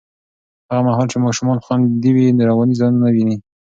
هغه مهال چې ماشومان خوندي وي، رواني زیان نه ویني.